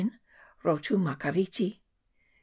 Rotu Makariti. 10.